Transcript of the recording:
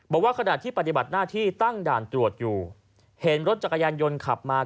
บอกว่าขณะที่ปฏิบัติหน้าที่ตั้งด่านตรวจอยู่เห็นรถจักรยานยนต์ขับมา